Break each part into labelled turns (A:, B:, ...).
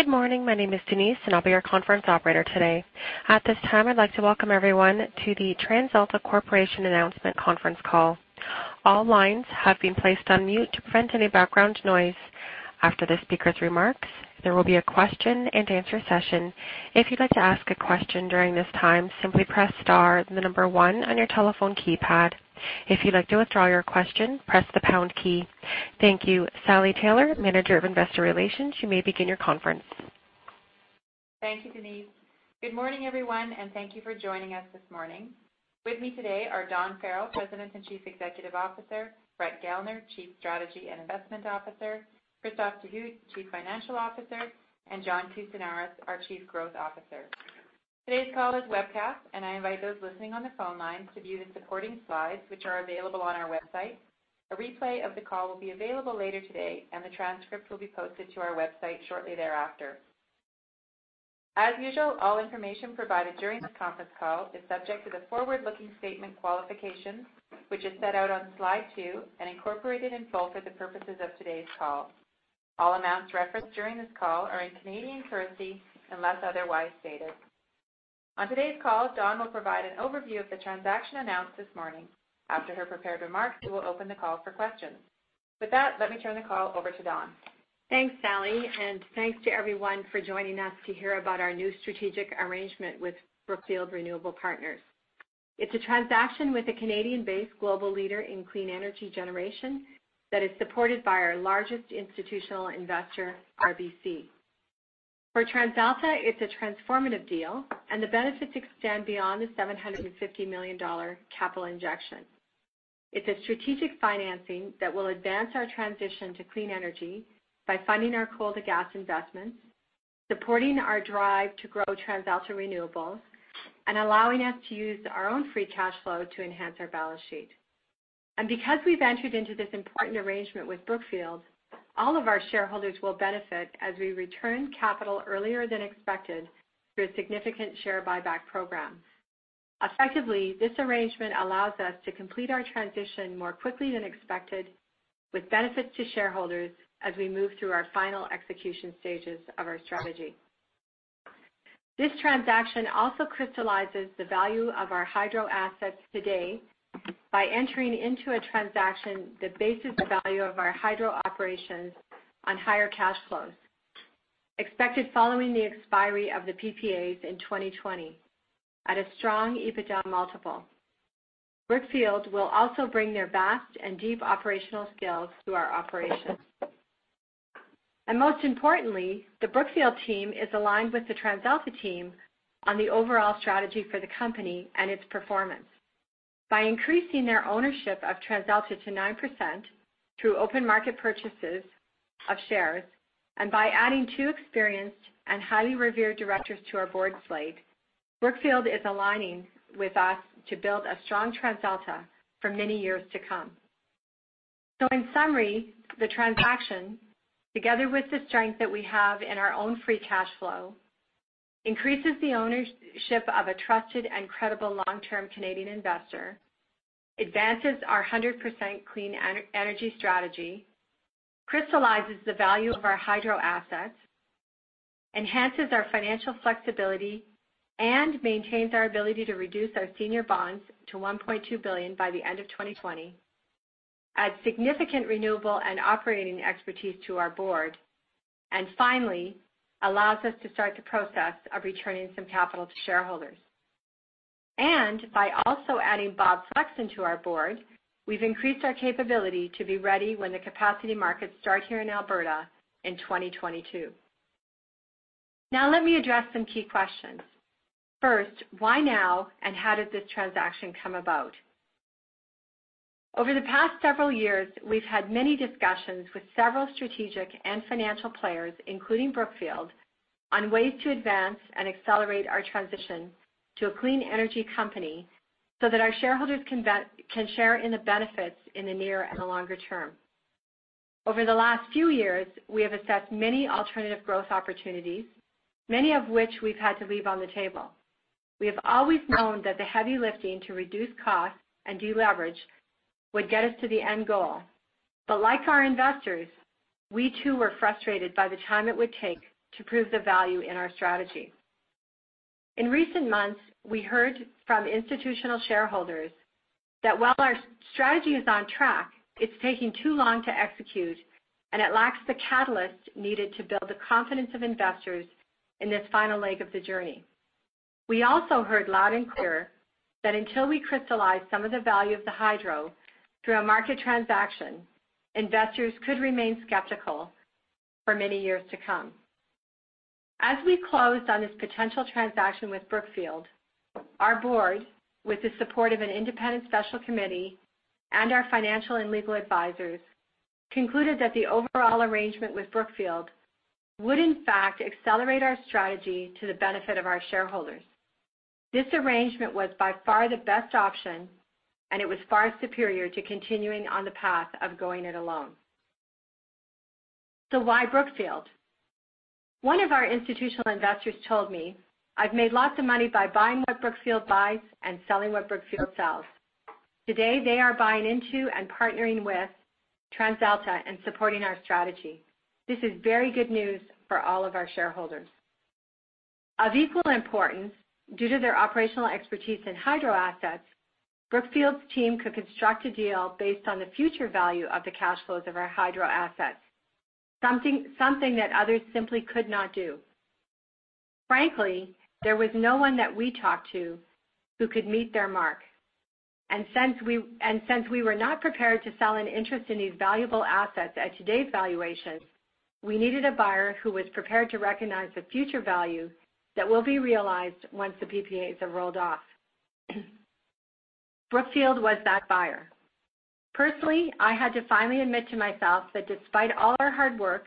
A: Good morning. My name is Denise, and I'll be your conference operator today. At this time, I'd like to welcome everyone to the TransAlta Corporation announcement conference call. All lines have been placed on mute to prevent any background noise. After the speakers' remarks, there will be a question and answer session. If you'd like to ask a question during this time, simply press star then the number one on your telephone keypad. If you'd like to withdraw your question, press the pound key. Thank you. Sally Taylor, Manager of Investor Relations, you may begin your conference.
B: Thank you, Denise. Good morning, everyone, and thank you for joining us this morning. With me today are Dawn Farrell, President and Chief Executive Officer; Brett Gellner, Chief Strategy and Investment Officer; Christophe Dehout, Chief Financial Officer; and John Kousinioris, our Chief Growth Officer. Today's call is webcast, and I invite those listening on the phone lines to view the supporting slides, which are available on our website. A replay of the call will be available later today, and the transcript will be posted to our website shortly thereafter. As usual, all information provided during this conference call is subject to the forward-looking statement qualifications, which is set out on slide two and incorporated in full for the purposes of today's call. All amounts referenced during this call are in Canadian currency, unless otherwise stated. On today's call, Dawn will provide an overview of the transaction announced this morning. After her prepared remarks, we will open the call for questions. With that, let me turn the call over to Dawn.
C: Thanks, Sally, and thanks to everyone for joining us to hear about our new strategic arrangement with Brookfield Renewable Partners. It's a transaction with a Canadian-based global leader in clean energy generation that is supported by our largest institutional investor, RBC. For TransAlta, it's a transformative deal, and the benefits extend beyond the 750 million dollar capital injection. It's a strategic financing that will advance our transition to clean energy by funding our coal-to-gas investments, supporting our drive to grow TransAlta Renewables, and allowing us to use our own free cash flow to enhance our balance sheet. Because we've entered into this important arrangement with Brookfield, all of our shareholders will benefit as we return capital earlier than expected through a significant share buyback program. Effectively, this arrangement allows us to complete our transition more quickly than expected, with benefits to shareholders as we move through our final execution stages of our strategy. This transaction also crystallizes the value of our hydro assets today by entering into a transaction that bases the value of our hydro operations on higher cash flows expected following the expiry of the PPAs in 2020 at a strong EBITDA multiple. Brookfield will also bring their vast and deep operational skills to our operations. Most importantly, the Brookfield team is aligned with the TransAlta team on the overall strategy for the company and its performance. By increasing their ownership of TransAlta to 9% through open-market purchases of shares and by adding two experienced and highly revered directors to our board slate, Brookfield is aligning with us to build a strong TransAlta for many years to come. In summary, the transaction, together with the strength that we have in our own free cash flow, increases the ownership of a trusted and credible long-term Canadian investor, advances our 100% clean energy strategy, crystallizes the value of our hydro assets, enhances our financial flexibility, and maintains our ability to reduce our senior bonds to 1.2 billion by the end of 2020, adds significant renewable and operating expertise to our board, and finally, allows us to start the process of returning some capital to shareholders. By also adding Bob Flexon to our board, we've increased our capability to be ready when the capacity markets start here in Alberta in 2022. Let me address some key questions. First, why now, and how did this transaction come about? Over the past several years, we've had many discussions with several strategic and financial players, including Brookfield, on ways to advance and accelerate our transition to a clean energy company so that our shareholders can share in the benefits in the near and the longer term. Over the last few years, we have assessed many alternative growth opportunities, many of which we've had to leave on the table. We have always known that the heavy lifting to reduce costs and deleverage would get us to the end goal. Like our investors, we too were frustrated by the time it would take to prove the value in our strategy. In recent months, we heard from institutional shareholders that while our strategy is on track, it's taking too long to execute, and it lacks the catalyst needed to build the confidence of investors in this final leg of the journey. We also heard loud and clear that until we crystallize some of the value of the hydro through a market transaction, investors could remain skeptical for many years to come. As we closed on this potential transaction with Brookfield, our board, with the support of an independent special committee and our financial and legal advisors, concluded that the overall arrangement with Brookfield would in fact accelerate our strategy to the benefit of our shareholders. This arrangement was by far the best option, and it was far superior to continuing on the path of going it alone. Why Brookfield? One of our institutional investors told me, "I've made lots of money by buying what Brookfield buys and selling what Brookfield sells." Today, they are buying into and partnering with TransAlta and supporting our strategy. This is very good news for all of our shareholders. Of equal importance, due to their operational expertise in hydro assets, Brookfield's team could construct a deal based on the future value of the cash flows of our hydro assets, something that others simply could not do. Frankly, there was no one that we talked to who could meet their mark. Since we were not prepared to sell an interest in these valuable assets at today's valuation, we needed a buyer who was prepared to recognize the future value that will be realized once the PPAs have rolled off. Brookfield was that buyer. Personally, I had to finally admit to myself that despite all our hard work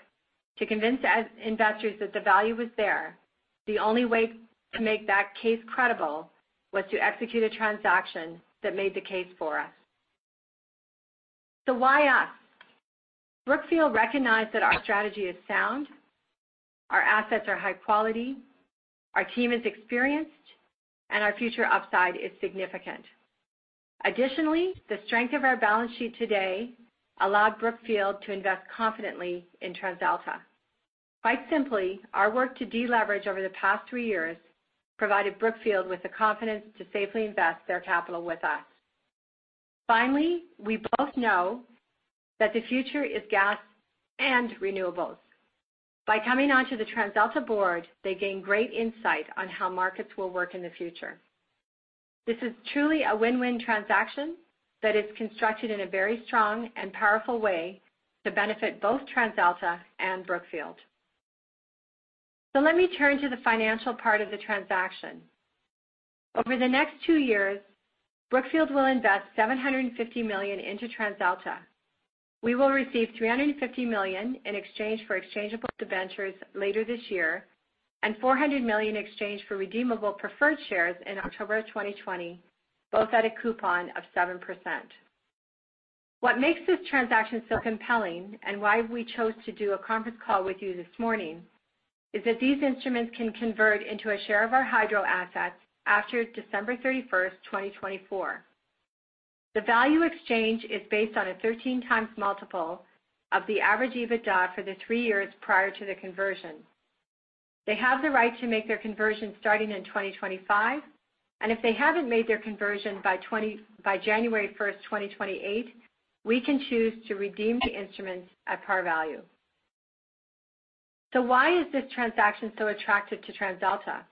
C: to convince investors that the value was there, the only way to make that case credible was to execute a transaction that made the case for us. Why us? Brookfield recognized that our strategy is sound, our assets are high quality, our team is experienced, and our future upside is significant. Additionally, the strength of our balance sheet today allowed Brookfield to invest confidently in TransAlta. Quite simply, our work to deleverage over the past three years provided Brookfield with the confidence to safely invest their capital with us. Finally, we both know that the future is gas and renewables. By coming onto the TransAlta board, they gain great insight on how markets will work in the future. This is truly a win-win transaction that is constructed in a very strong and powerful way to benefit both TransAlta and Brookfield. Let me turn to the financial part of the transaction. Over the next two years, Brookfield will invest 750 million into TransAlta. We will receive 350 million in exchange for exchangeable debentures later this year, and 400 million in exchange for redeemable preferred shares in October 2020, both at a coupon of 7%. What makes this transaction so compelling, and why we chose to do a conference call with you this morning, is that these instruments can convert into a share of our hydro assets after December 31st, 2024. The value exchange is based on a 13x multiple of the average EBITDA for the three years prior to the conversion. They have the right to make their conversion starting in 2025, and if they haven't made their conversion by January 1st, 2028, we can choose to redeem the instruments at par value. Why is this transaction so attractive to TransAlta?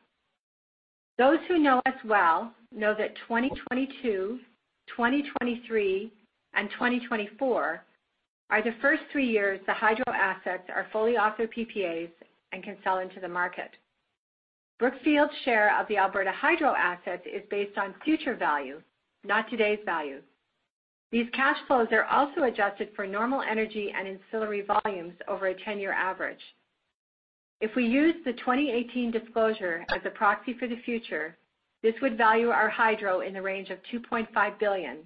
C: Those who know us well know that 2022, 2023, and 2024 are the first three years the hydro assets are fully off their PPAs and can sell into the market. Brookfield's share of the Alberta hydro assets is based on future value, not today's value. These cash flows are also adjusted for normal energy and ancillary volumes over a 10-year average. If we use the 2018 disclosure as a proxy for the future, this would value our hydro in the range of 2.5 billion,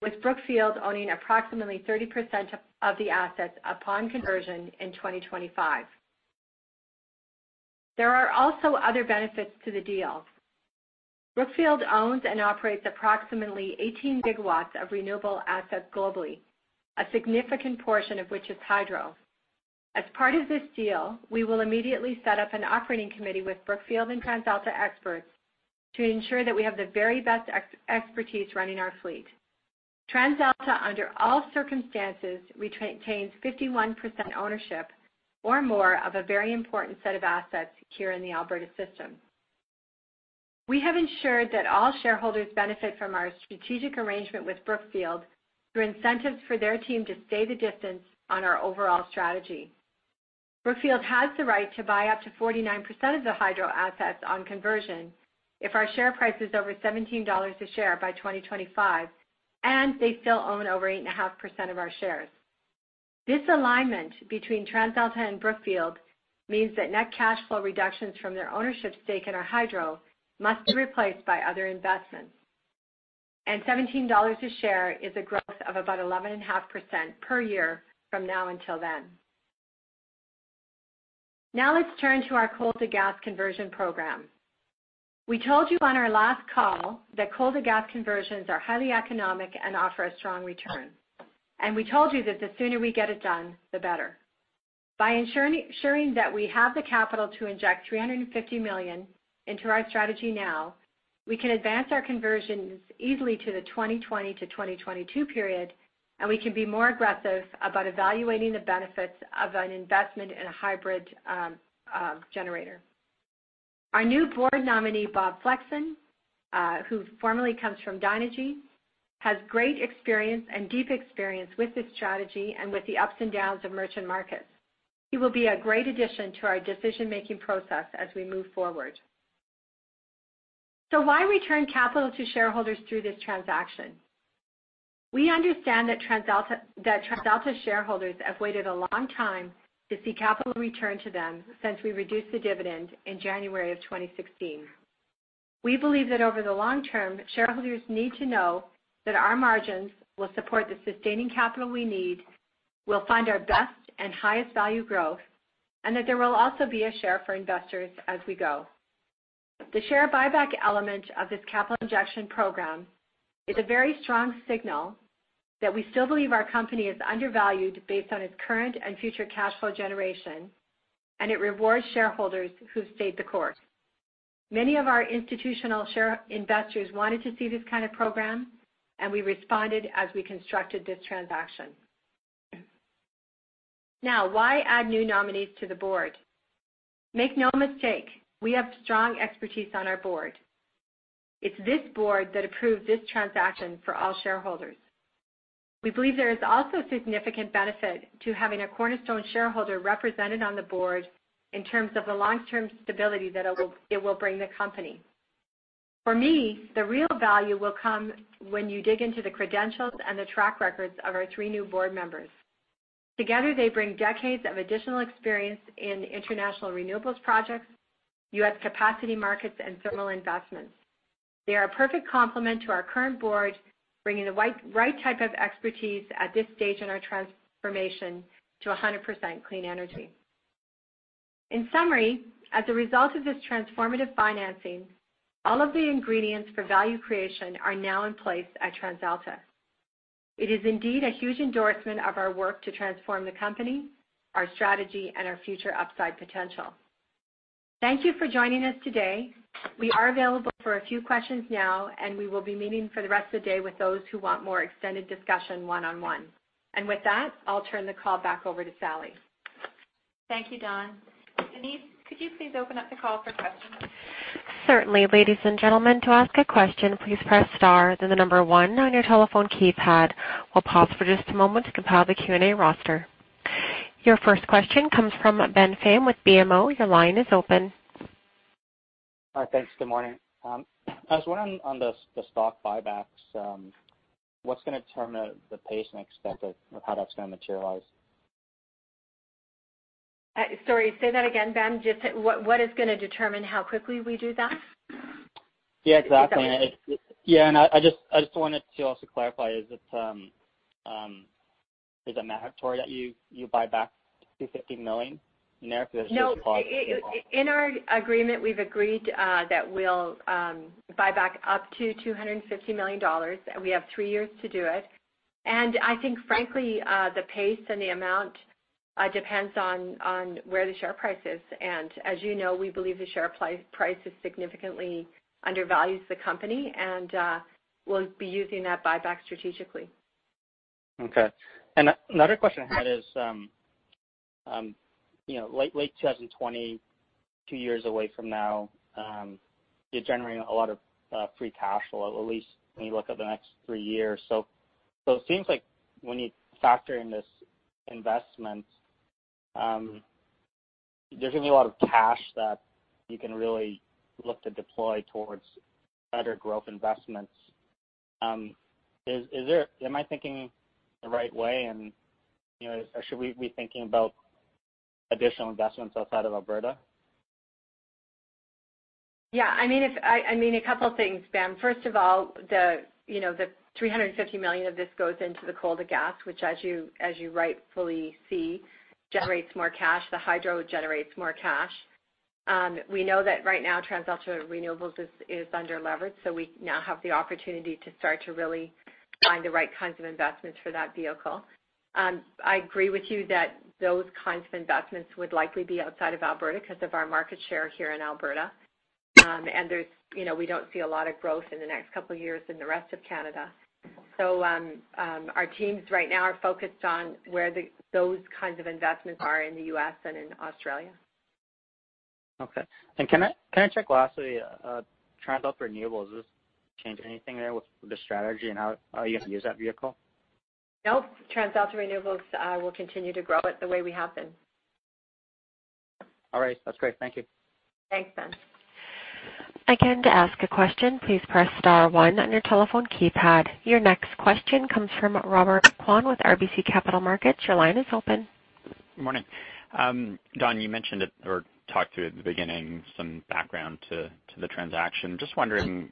C: with Brookfield owning approximately 30% of the assets upon conversion in 2025. There are also other benefits to the deal. Brookfield owns and operates approximately 18 GW of renewable assets globally, a significant portion of which is hydro. As part of this deal, we will immediately set up an operating committee with Brookfield and TransAlta experts to ensure that we have the very best expertise running our fleet. TransAlta, under all circumstances, retains 51% ownership or more of a very important set of assets here in the Alberta system. We have ensured that all shareholders benefit from our strategic arrangement with Brookfield through incentives for their team to stay the distance on our overall strategy. Brookfield has the right to buy up to 49% of the hydro assets on conversion if our share price is over 17 dollars a share by 2025 and they still own over 8.5% of our shares. This alignment between TransAlta and Brookfield means that net cash flow reductions from their ownership stake in our hydro must be replaced by other investments, 17 dollars a share is a growth of about 11.5% per year from now until then. Let's turn to our coal-to-gas conversion program. We told you on our last call that coal-to-gas conversions are highly economic and offer a strong return. We told you that the sooner we get it done, the better. By ensuring that we have the capital to inject 350 million into our strategy now, we can advance our conversions easily to the 2020 to 2022 period, and we can be more aggressive about evaluating the benefits of an investment in a hybrid generator. Our new board nominee, Bob Flexon, who formerly comes from Dynegy, has great experience and deep experience with this strategy and with the ups and downs of merchant markets. He will be a great addition to our decision-making process as we move forward. Why return capital to shareholders through this transaction? We understand that TransAlta's shareholders have waited a long time to see capital returned to them since we reduced the dividend in January of 2016. We believe that over the long term, shareholders need to know that our margins will support the sustaining capital we need, we'll find our best and highest value growth, and that there will also be a share for investors as we go. The share buyback element of this capital injection program is a very strong signal that we still believe our company is undervalued based on its current and future cash flow generation, and it rewards shareholders who've stayed the course. Many of our institutional share investors wanted to see this kind of program, and we responded as we constructed this transaction. Why add new nominees to the board? Make no mistake, we have strong expertise on our board. It's this board that approved this transaction for all shareholders. We believe there is also significant benefit to having a cornerstone shareholder represented on the board in terms of the long-term stability that it will bring the company. For me, the real value will come when you dig into the credentials and the track records of our three new board members. Together, they bring decades of additional experience in international renewables projects, U.S. capacity markets, and thermal investments. They are a perfect complement to our current board, bringing the right type of expertise at this stage in our transformation to 100% clean energy. In summary, as a result of this transformative financing, all of the ingredients for value creation are now in place at TransAlta. It is indeed a huge endorsement of our work to transform the company, our strategy, and our future upside potential. Thank you for joining us today. We are available for a few questions now. We will be meeting for the rest of the day with those who want more extended discussion one-on-one. With that, I'll turn the call back over to Sally.
B: Thank you, Dawn. Denise, could you please open up the call for questions?
A: Certainly. Ladies and gentlemen, to ask a question, please press star then the number 1 on your telephone keypad. We'll pause for just a moment to compile the Q&A roster. Your first question comes from Ben Pham with BMO. Your line is open.
D: Hi. Thanks. Good morning. I was wondering on the stock buybacks, what's going to determine the pace and expected of how that's going to materialize?
C: Sorry, say that again, Ben. Just what is going to determine how quickly we do that?
D: Yeah, exactly.
C: Is that what you mean?
D: Yeah, I just wanted to also clarify, is it mandatory that you buy back 250 million in there?
C: No. In our agreement, we've agreed that we'll buy back up to 250 million dollars. We have three years to do it. I think, frankly, the pace and the amount depends on where the share price is. As you know, we believe the share price significantly undervalues the company, and we'll be using that buyback strategically.
D: Okay. Another question I had is, late 2020, two years away from now, you're generating a lot of free cash flow, at least when you look at the next three years. It seems like when you factor in this investment, there's going to be a lot of cash that you can really look to deploy towards other growth investments. Am I thinking the right way, and should we be thinking about additional investments outside of Alberta?
C: Yeah. A couple of things, Ben. First of all, the 350 million of this goes into the coal-to-gas, which as you rightfully see, generates more cash. The hydro generates more cash. We know that right now TransAlta Renewables is under levered, we now have the opportunity to start to really find the right kinds of investments for that vehicle. I agree with you that those kinds of investments would likely be outside of Alberta because of our market share here in Alberta. We don't see a lot of growth in the next couple of years in the rest of Canada. Our teams right now are focused on where those kinds of investments are in the U.S. and in Australia.
D: Okay. Can I check lastly, TransAlta Renewables, does this change anything there with the strategy and how you use that vehicle?
C: Nope. TransAlta Renewables, we'll continue to grow it the way we have been.
D: All right. That's great. Thank you.
C: Thanks, Ben.
A: To ask a question, please press star one on your telephone keypad. Your next question comes from Robert Kwan with RBC Capital Markets. Your line is open.
E: Good morning. Dawn, you mentioned it or talked to it at the beginning, some background to the transaction. Just wondering,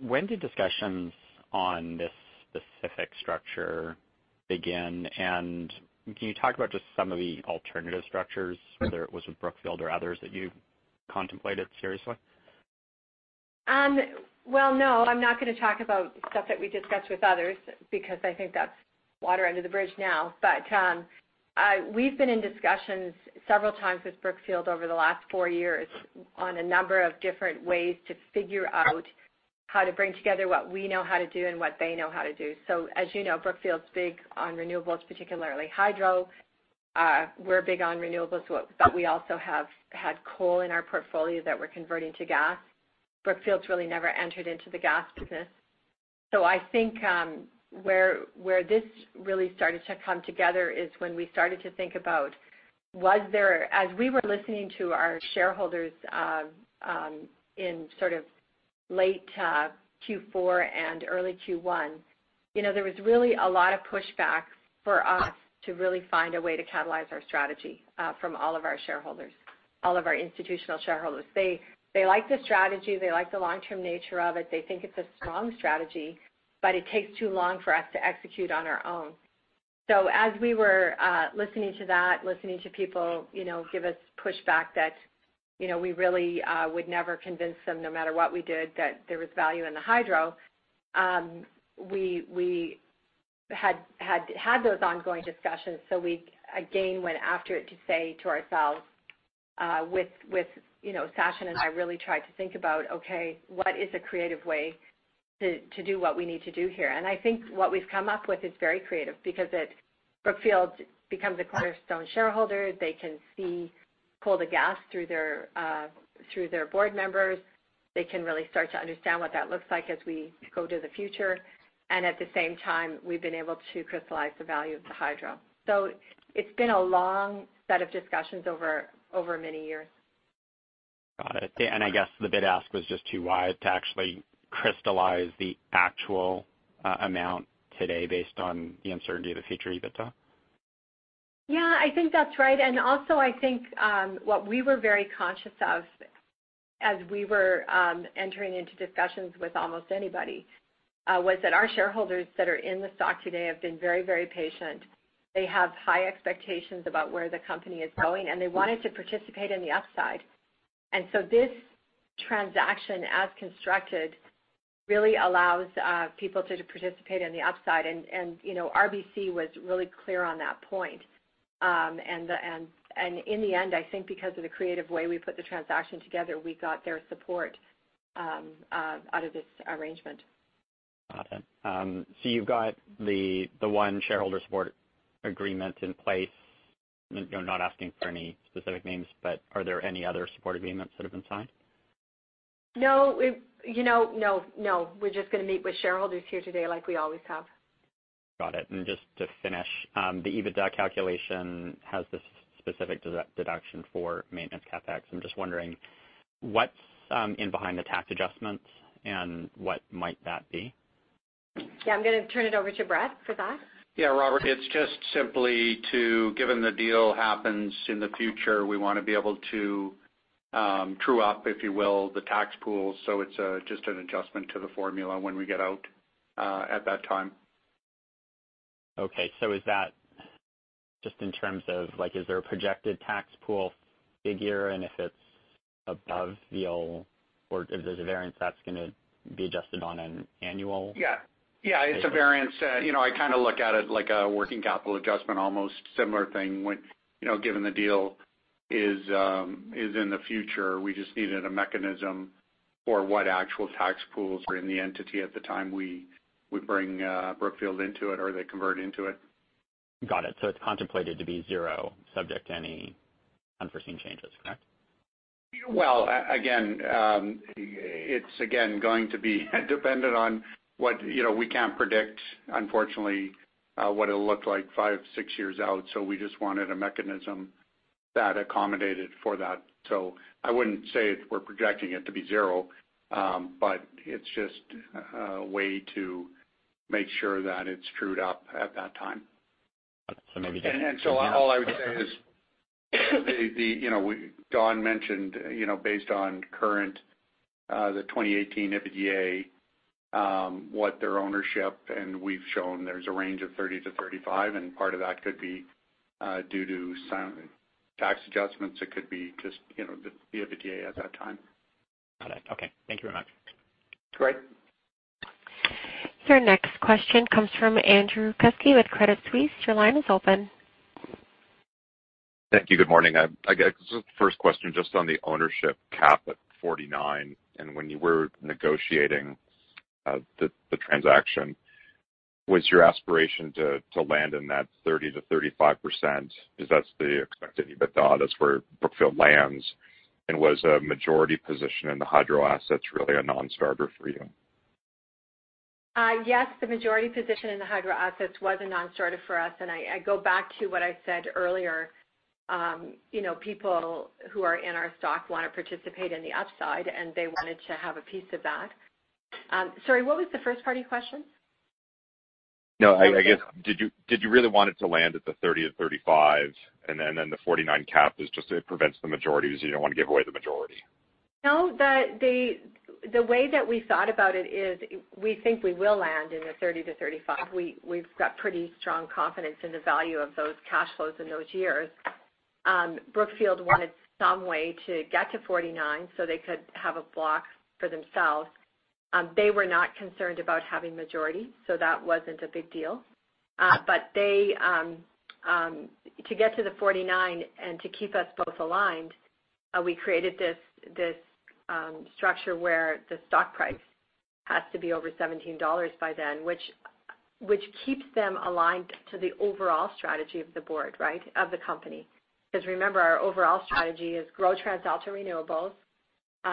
E: when did discussions on this specific structure begin, and can you talk about just some of the alternative structures, whether it was with Brookfield or others, that you contemplated seriously?
C: Well, no, I'm not going to talk about stuff that we discussed with others because I think that's water under the bridge now. We've been in discussions several times with Brookfield over the last four years on a number of different ways to figure out how to bring together what we know how to do and what they know how to do. As you know, Brookfield's big on renewables, particularly hydro. We're big on renewables, but we also have had coal in our portfolio that we're converting to gas. Brookfield's really never entered into the gas business. I think where this really started to come together is when we started to think about, as we were listening to our shareholders in sort of late Q4 and early Q1, there was really a lot of pushback for us to really find a way to catalyze our strategy from all of our shareholders, all of our institutional shareholders. They like the strategy. They like the long-term nature of it. They think it's a strong strategy, but it takes too long for us to execute on our own. As we were listening to that, listening to people give us pushback that we really would never convince them, no matter what we did, that there was value in the hydro. We had those ongoing discussions. We again went after it to say to ourselves, with Sachin, I really tried to think about, okay, what is a creative way to do what we need to do here? I think what we've come up with is very creative because Brookfield becomes a cornerstone shareholder. They can see coal-to-gas through their board members. They can really start to understand what that looks like as we go to the future. At the same time, we've been able to crystallize the value of the hydro. It's been a long set of discussions over many years.
E: Got it. I guess the bid ask was just too wide to actually crystallize the actual amount today based on the uncertainty of the future EBITDA?
C: Yeah, I think that's right. Also, I think what we were very conscious of as we were entering into discussions with almost anybody, was that our shareholders that are in the stock today have been very, very patient. They have high expectations about where the company is going, and they wanted to participate in the upside. This transaction, as constructed, really allows people to participate in the upside. RBC was really clear on that point. In the end, I think because of the creative way we put the transaction together, we got their support out of this arrangement.
E: Got it. You've got the one shareholder support agreement in place. Not asking for any specific names, but are there any other support agreements that have been signed?
C: No. We're just going to meet with shareholders here today like we always have.
E: Got it. Just to finish, the EBITDA calculation has this specific deduction for maintenance CapEx. I'm just wondering what's in behind the tax adjustments and what might that be?
C: Yeah, I'm going to turn it over to Brett for that.
F: Yeah, Robert, it's just simply to, given the deal happens in the future, we want to be able to true up, if you will, the tax pool. It's just an adjustment to the formula when we get out at that time.
E: Okay, is there a projected tax pool figure, if it's above the old or if there's a variance that's going to be adjusted on an annual-
F: Yeah. It's a variance. I look at it like a working capital adjustment, almost similar thing when, given the deal is in the future. We just needed a mechanism for what actual tax pools were in the entity at the time we bring Brookfield into it or they convert into it.
E: Got it. It's contemplated to be zero, subject to any unforeseen changes, correct?
F: Well, again, it's going to be dependent on what. We can't predict, unfortunately, what it'll look like five, six years out. We just wanted a mechanism that accommodated for that. I wouldn't say we're projecting it to be zero. It's just a way to make sure that it's trued up at that time.
E: So maybe-
F: All I would say is Dawn mentioned, based on current, the 2018 EBITDA, what their ownership, and we've shown there's a range of 30 to 35, and part of that could be due to tax adjustments. It could be just the EBITDA at that time.
E: Got it. Okay. Thank you very much.
F: Great.
A: Your next question comes from Andrew Kuske with Credit Suisse. Your line is open.
G: Thank you. Good morning. I guess, first question, just on the ownership cap at 49. When you were negotiating the transaction, was your aspiration to land in that 30%-35% because that's the expected EBITDA, that's where Brookfield lands? Was a majority position in the hydro assets really a non-starter for you?
C: Yes, the majority position in the hydro assets was a non-starter for us. I go back to what I said earlier. People who are in our stock want to participate in the upside. They wanted to have a piece of that. Sorry, what was the first part of your question?
G: No, I guess, did you really want it to land at the 30-35? The 49 cap is just so it prevents the majority, you don't want to give away the majority.
C: No, the way that we thought about it is we think we will land in the 30-35. We've got pretty strong confidence in the value of those cash flows in those years. Brookfield wanted some way to get to 49. They could have a block for themselves. They were not concerned about having majority. That wasn't a big deal. To get to the 49 and to keep us both aligned, we created this structure where the stock price has to be over 17 dollars by then, which keeps them aligned to the overall strategy of the board, of the company. Remember, our overall strategy is grow TransAlta Renewables,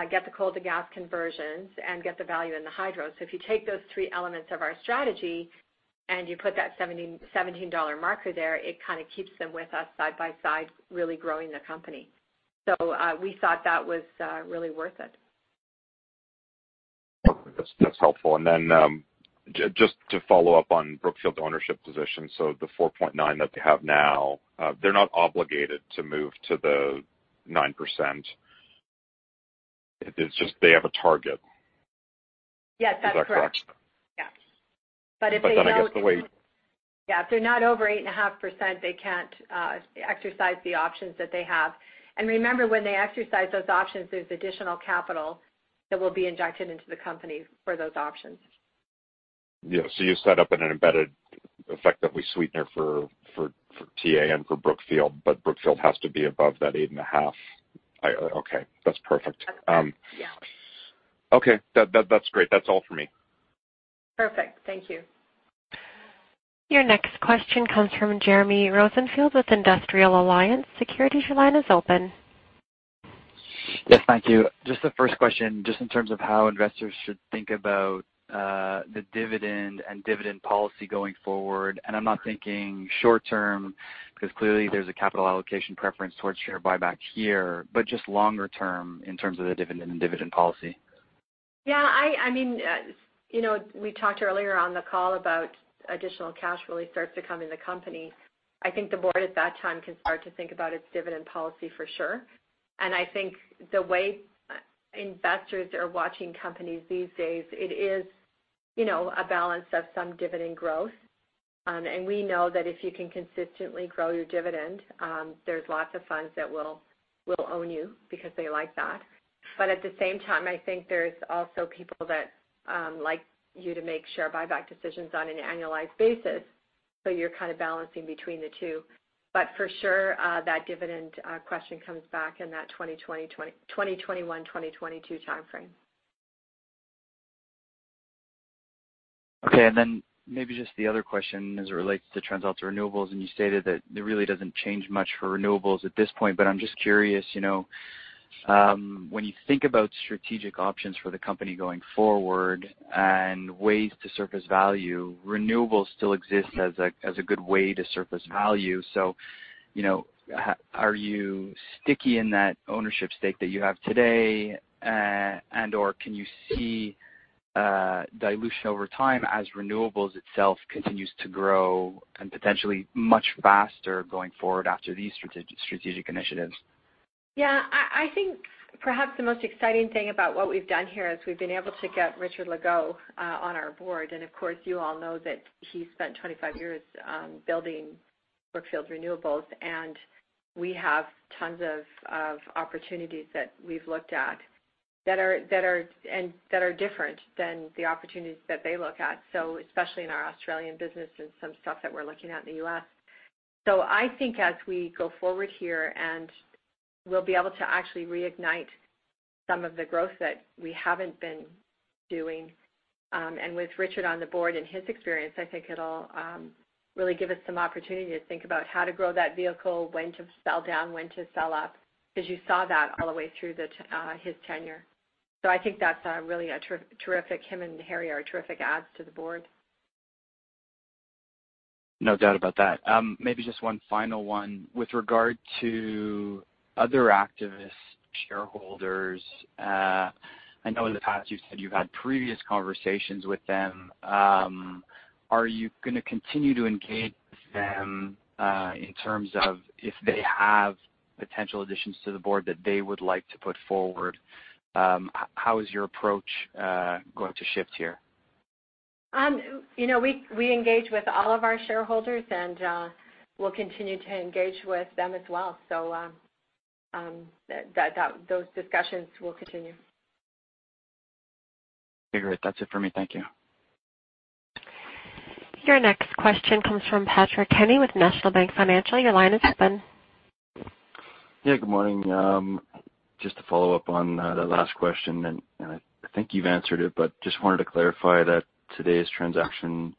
C: get the coal-to-gas conversions, get the value in the hydro. If you take those three elements of our strategy and you put that 17 dollar marker there, it keeps them with us side by side, really growing the company. We thought that was really worth it.
G: That's helpful. Just to follow up on Brookfield's ownership position. The 4.9% that they have now, they're not obligated to move to the 9%? It's just they have a target.
C: Yes, that's correct.
G: Is that correct?
C: Yeah. If they don't-
G: I guess the weight.
C: Yeah, if they're not over 8.5%, they can't exercise the options that they have. Remember, when they exercise those options, there's additional capital that will be injected into the company for those options.
G: Yeah. You set up an embedded effectively sweetener for TA and for Brookfield has to be above that 8.5. Okay, that's perfect.
C: Yeah.
G: Okay. That's great. That's all for me.
C: Perfect. Thank you.
A: Your next question comes from Jeremy Rosenfield with Industrial Alliance Securities. Your line is open.
H: Yes, thank you. Just the first question, just in terms of how investors should think about the dividend and dividend policy going forward. I'm not thinking short term, because clearly there's a capital allocation preference towards share buyback here, but just longer term in terms of the dividend and dividend policy.
C: Yeah. We talked earlier on the call about additional cash really starts to come in the company. I think the board at that time can start to think about its dividend policy for sure. I think the way investors are watching companies these days, it is a balance of some dividend growth. We know that if you can consistently grow your dividend, there's lots of funds that will own you because they like that. At the same time, I think there's also people that like you to make share buyback decisions on an annualized basis, so you're kind of balancing between the two. For sure, that dividend question comes back in that 2021, 2022 timeframe.
H: Okay, maybe just the other question as it relates to TransAlta Renewables, you stated that it really doesn't change much for renewables at this point, but I'm just curious. When you think about strategic options for the company going forward and ways to surface value, renewables still exist as a good way to surface value. Are you sticky in that ownership stake that you have today? Or can you see dilution over time as renewables itself continues to grow and potentially much faster going forward after these strategic initiatives?
C: Yeah. I think perhaps the most exciting thing about what we've done here is we've been able to get Richard Legault on our board, of course, you all know that he spent 25 years building Brookfield Renewable Partners, we have tons of opportunities that we've looked at that are different than the opportunities that they look at. Especially in our Australian business and some stuff that we're looking at in the U.S. I think as we go forward here, we'll be able to actually reignite some of the growth that we haven't been doing. With Richard on the board and his experience, I think it'll really give us some opportunity to think about how to grow that vehicle, when to sell down, when to sell up. Because you saw that all the way through his tenure. I think that's really terrific. Him and Harry are terrific adds to the board.
H: No doubt about that. Maybe just one final one. With regard to other activist shareholders. I know in the past you've said you've had previous conversations with them. Are you going to continue to engage with them, in terms of if they have potential additions to the board that they would like to put forward? How is your approach going to shift here?
C: We engage with all of our shareholders, and we'll continue to engage with them as well. Those discussions will continue.
H: Okay, great. That's it for me. Thank you.
A: Your next question comes from Patrick Kenny with National Bank Financial. Your line is open.
I: Yeah. Good morning. Just to follow up on the last question, I think you've answered it, but just wanted to clarify that today's transaction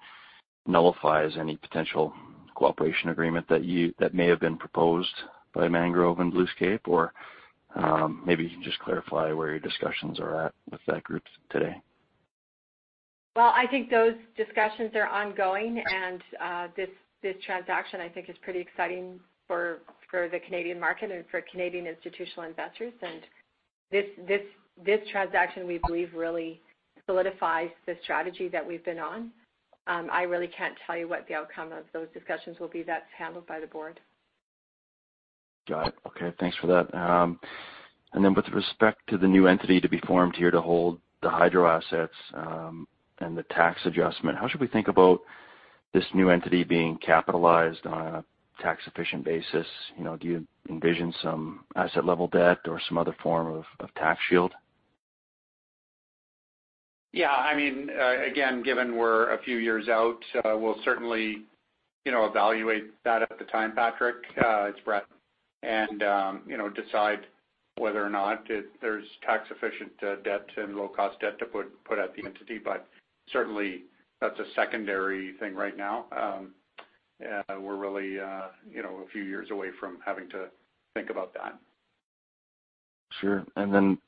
I: nullifies any potential cooperation agreement that may have been proposed by Mangrove and Bluescape, or maybe you can just clarify where your discussions are at with that group today.
C: Well, I think those discussions are ongoing, this transaction, I think, is pretty exciting for the Canadian market and for Canadian institutional investors. This transaction, we believe, really solidifies the strategy that we've been on. I really can't tell you what the outcome of those discussions will be. That's handled by the board.
I: Got it. Okay. Thanks for that. With respect to the new entity to be formed here to hold the hydro assets, and the tax adjustment, how should we think about this new entity being capitalized on a tax-efficient basis? Do you envision some asset-level debt or some other form of tax shield?
F: Yeah. Again, given we're a few years out, we'll certainly evaluate that at the time, Patrick. It's Brett. Decide whether or not there's tax-efficient debt and low-cost debt to put at the entity. Certainly, that's a secondary thing right now. We're really a few years away from having to think about that.
I: Sure. Then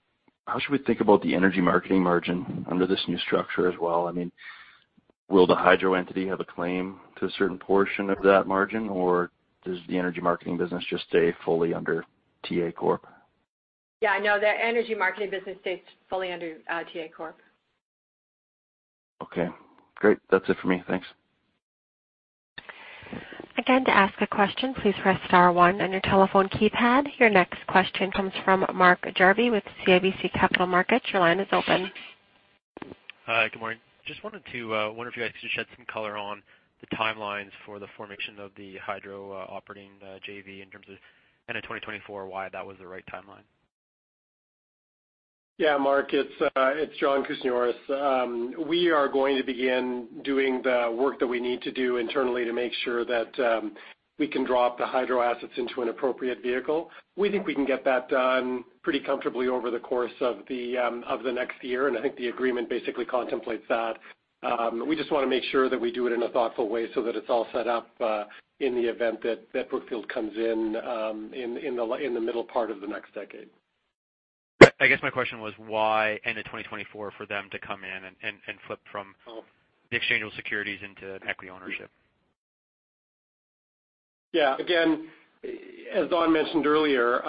I: how should we think about the energy marketing margin under this new structure as well? Will the hydro entity have a claim to a certain portion of that margin, or does the energy marketing business just stay fully under TA Corp?
C: Yeah, no. The energy marketing business stays fully under TA Corp.
I: Okay, great. That's it for me. Thanks.
A: Again, to ask a question, please press star one on your telephone keypad. Your next question comes from Mark Jarvi with CIBC Capital Markets. Your line is open.
J: Hi, good morning. Just wanted to wonder if you guys could shed some color on the timelines for the formation of the hydro operating JV in terms of end of 2024, why that was the right timeline.
K: Yeah, Mark, it's John Kousinioris. We are going to begin doing the work that we need to do internally to make sure that we can drop the hydro assets into an appropriate vehicle. We think we can get that done pretty comfortably over the course of the next year. I think the agreement basically contemplates that. We just want to make sure that we do it in a thoughtful way so that it's all set up in the event that Brookfield comes in the middle part of the next decade.
J: I guess my question was why end of 2024 for them to come in and flip from the exchangeable securities into equity ownership?
K: Yeah. Again, as Dawn mentioned earlier,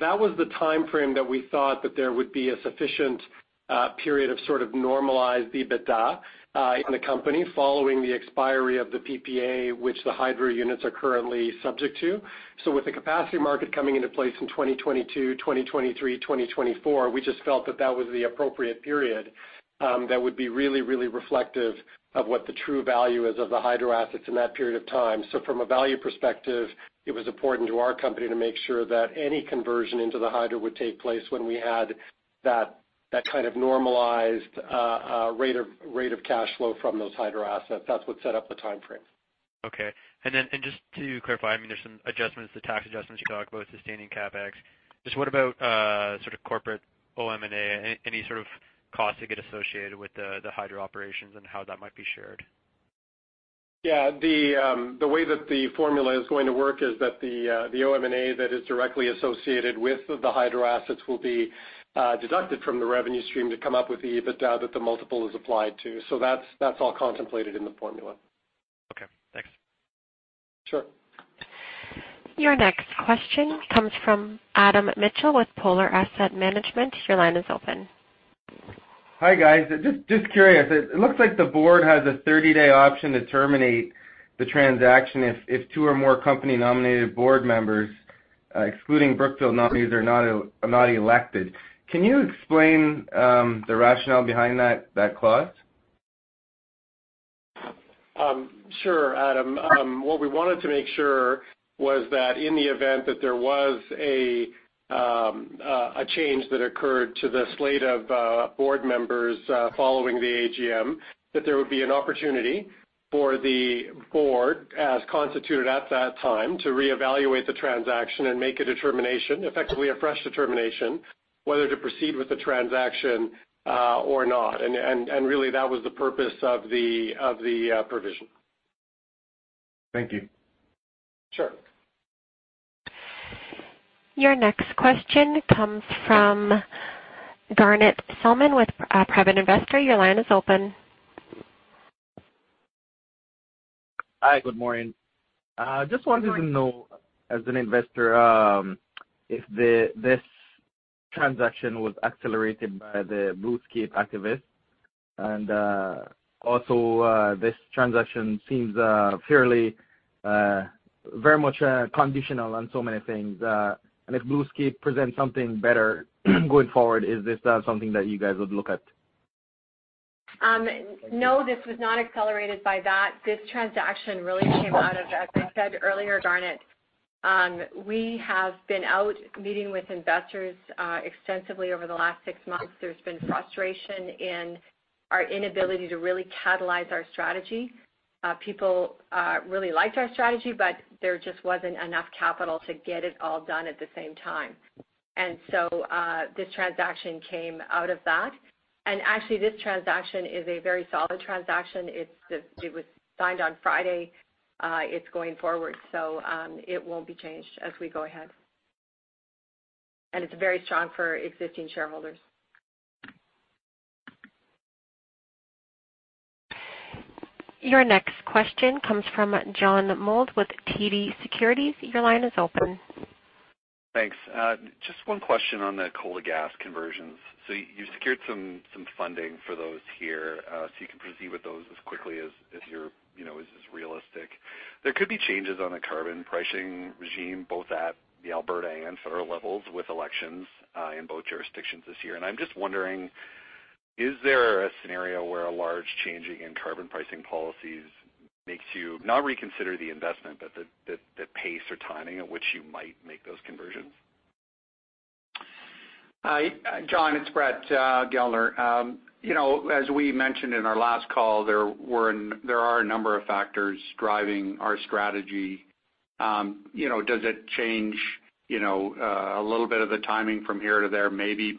K: that was the timeframe that we thought that there would be a sufficient period of sort of normalized EBITDA in the company following the expiry of the PPA, which the hydro units are currently subject to. With the capacity market coming into place in 2022, 2023, 2024, we just felt that that was the appropriate period that would be really, really reflective of what the true value is of the hydro assets in that period of time. From a value perspective, it was important to our company to make sure that any conversion into the hydro would take place when we had that kind of normalized rate of cash flow from those hydro assets. That's what set up the timeframe.
J: Then, just to clarify, there's some adjustments, the tax adjustments you talked about, sustaining CapEx. Just what about sort of corporate OM&A, any sort of costs that get associated with the hydro operations and how that might be shared?
K: Yeah. The way that the formula is going to work is that the OM&A that is directly associated with the hydro assets will be deducted from the revenue stream to come up with the EBITDA that the multiple is applied to. That's all contemplated in the formula.
J: Okay, thanks.
K: Sure.
A: Your next question comes from Adam Mitchell with Polar Asset Management. Your line is open.
L: Hi, guys. Just curious. It looks like the board has a 30-day option to terminate the transaction if two or more company-nominated board members, excluding Brookfield nominees, are not elected. Can you explain the rationale behind that clause?
K: Sure, Adam. What we wanted to make sure was that in the event that there was a change that occurred to the slate of board members following the AGM, that there would be an opportunity for the board, as constituted at that time, to reevaluate the transaction and make a determination, effectively a fresh determination, whether to proceed with the transaction or not. Really, that was the purpose of the provision.
L: Thank you.
K: Sure.
A: Your next question comes from Garnet Sillman with Private Investor. Your line is open.
M: Hi, good morning. Just wanted to know, as an investor, if this transaction was accelerated by the Bluescape activists? This transaction seems very much conditional on so many things. If Bluescape presents something better going forward, is this something that you guys would look at?
C: No, this was not accelerated by that. This transaction really came out of, as I said earlier, Garnet, we have been out meeting with investors extensively over the last six months. There's been frustration in our inability to really catalyze our strategy. People really liked our strategy, there just wasn't enough capital to get it all done at the same time. This transaction came out of that. This transaction is a very solid transaction. It was signed on Friday. It's going forward. It won't be changed as we go ahead. It's very strong for existing shareholders.
A: Your next question comes from John Mould with TD Securities. Your line is open.
N: Thanks. Just one question on the coal-to-gas conversions. You secured some funding for those here, you can proceed with those as quickly as is realistic. There could be changes on the carbon pricing regime, both at the Alberta and federal levels with elections in both jurisdictions this year. I'm just wondering, is there a scenario where a large changing in carbon pricing policies makes you, not reconsider the investment, but the pace or timing at which you might make those conversions?
F: Hi, John, it's Brett Gellner. As we mentioned in our last call, there are a number of factors driving our strategy. Does it change a little bit of the timing from here to there? Maybe.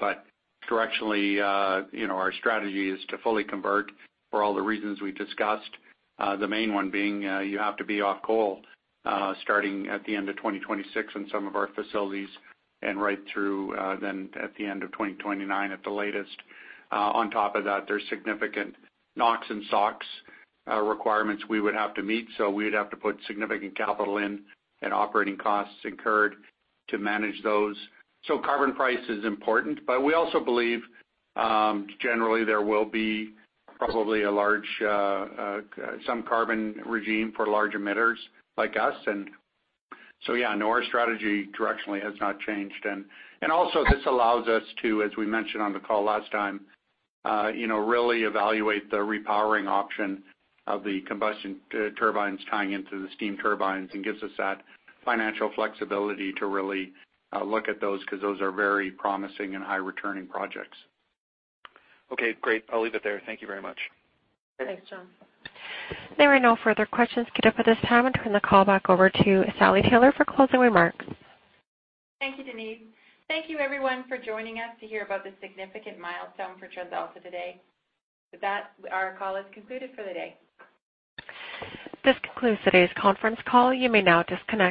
F: Directionally, our strategy is to fully convert for all the reasons we discussed. The main one being, you have to be off coal starting at the end of 2026 in some of our facilities and right through then at the end of 2029 at the latest. On top of that, there is significant NOX and SOX requirements we would have to meet, we would have to put significant capital in and operating costs incurred to manage those. Carbon price is important, but we also believe, generally there will be probably some carbon regime for large emitters like us. Yeah, no, our strategy directionally has not changed. Also, this allows us to, as we mentioned on the call last time, really evaluate the repowering option of the combustion turbines tying into the steam turbines and gives us that financial flexibility to really look at those because those are very promising and high-returning projects.
N: Okay, great. I'll leave it there. Thank you very much.
C: Thanks, John.
A: There are no further questions queued up at this time. I'll turn the call back over to Sally Taylor for closing remarks.
B: Thank you, Denise. Thank you everyone for joining us to hear about the significant milestone for TransAlta today. With that, our call is concluded for the day.
A: This concludes today's conference call. You may now disconnect.